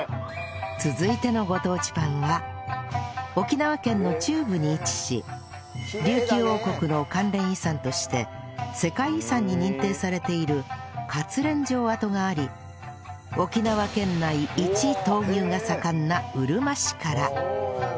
続いてのご当地パンは沖縄県の中部に位置し琉球王国の関連遺産として世界遺産に認定されている勝連城跡があり沖縄県内一闘牛が盛んなうるま市から